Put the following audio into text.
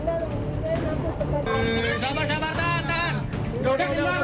sabar sabar tahan tahan